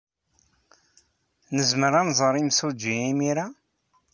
Nezmer ad nẓer imsujji imir-a?